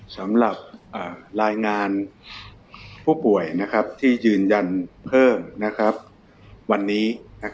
สำหรับรายงานผู้ป่วยที่ยืนยันเพิ่มวันนี้